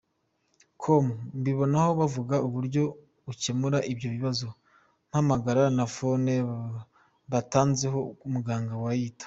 com mbibonaho bavuga uburyo ukemura ibyo bibazo, mpamagara na phone batanzeho muganga wayita.